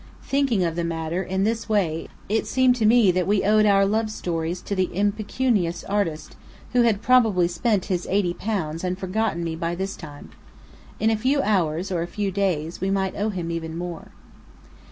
Thinking of the matter in this way, it seemed that we owed our love stories to the impecunious artist, who had probably spent his eighty pounds and forgotten me by this time. In a few hours, or a few days, we might owe him even more.